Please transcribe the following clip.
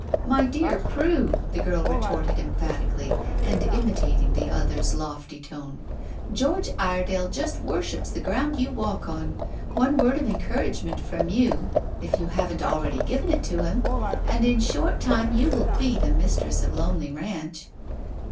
"My dear Prue," the girl retorted emphatically, and imitating the other's lofty tone, "George Iredale just worships the ground you walk on. One word of encouragement from you, if you haven't already given it to him, and in a short time you will be the mistress of Lonely Ranch."